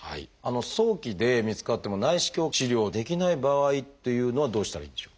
早期で見つかっても内視鏡治療できない場合というのはどうしたらいいんでしょう？